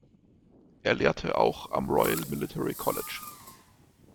Er lehrte auch am Royal Military College.